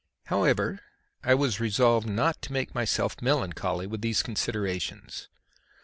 However, I was resolved not to make myself melancholy with these considerations.